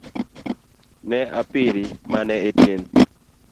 Ne a piri mane itin